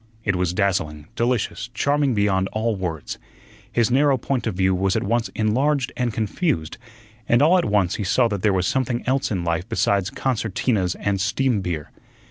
It was dazzling, delicious, charming beyond all words. His narrow point of view was at once enlarged and confused, and all at once he saw that there was something else in life besides concertinas and steam beer.